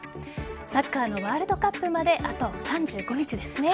サッカーのワールドカップまであと３５日ですね。